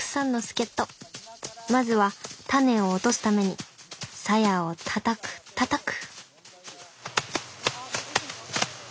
まずはタネを落とすためにサヤをたたくたたく！